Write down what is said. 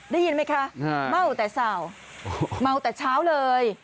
ได้ยินไหมคะเม่าแต่เศรษฐศาสตร์เม่าแต่เช้าเลย